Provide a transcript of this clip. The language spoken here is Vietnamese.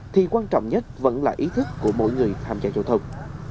thì quan trọng nhất vẫn là ý thức của mỗi người tham gia giao thông